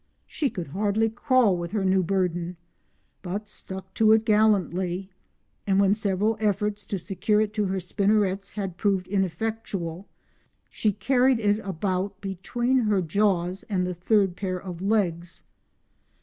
She could hardly crawl with her new burden, but stuck to it gallantly, and when several efforts to secure it to her spinnerets had proved ineffectual she carried it about between her jaws and the third pair of legs.